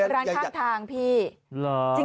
ร้านข้างทางพี่